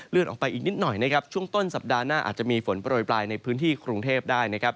ออกไปอีกนิดหน่อยนะครับช่วงต้นสัปดาห์หน้าอาจจะมีฝนโปรยปลายในพื้นที่กรุงเทพได้นะครับ